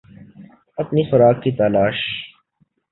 اپنی خوراک کی تلاش